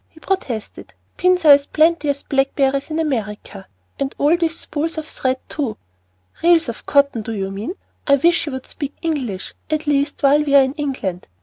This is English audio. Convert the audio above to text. he protested. "Pins are as plenty as blackberries in America. And all those spools of thread too!" "Reels of cotton, do you mean? I wish you would speak English, at least while we are in England.